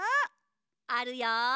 あるよ。